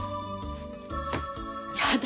やだ